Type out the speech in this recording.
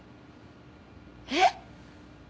えっ！？